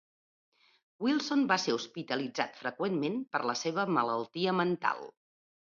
Wilson va ser hospitalitzat freqüentment per la seva malaltia mental.